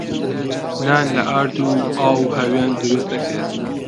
نان لە ئارد و ئاو و هەوێن دروست دەکرێت.